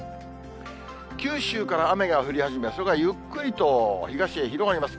九州から雨が降り始め、それがゆっくりと東へ広がります。